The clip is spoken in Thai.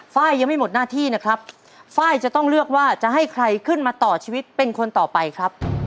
ไฟล์ยังไม่หมดหน้าที่นะครับไฟล์จะต้องเลือกว่าจะให้ใครขึ้นมาต่อชีวิตเป็นคนต่อไปครับ